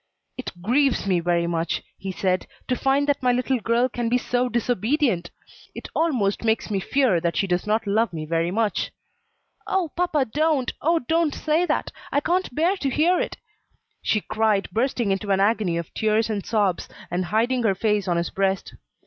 "It grieves me very much," he said, "to find that my little girl can be so disobedient! it almost makes me fear that she does not love me very much." "Oh, papa, don't! oh, don't say that! I can't bear to hear it!" she cried, bursting into an agony of tears and sobs, and hiding her face on his breast.